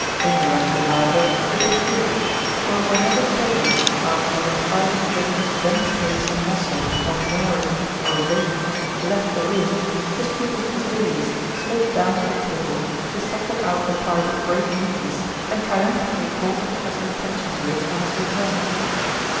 Indirectly, however, it did good, for whenever Sylvius, after having tried in vain to demonstrate some muscle, or nerve, or vein, left the room, his pupil Vesalius slipped down to the table, dissected out the part with great neatness, and triumphantly called the professor's attention to it on his return.